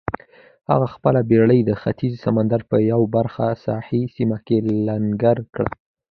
هغه خپله بېړۍ د ختیځ سمندر په یوه پراخه ساحلي سیمه کې لنګر کړه.